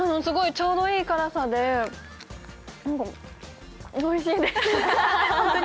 ちょうどいい辛さで、おいしいです。